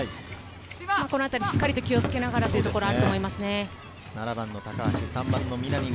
このあたり、しっかり気をつけながらというのがあると思います。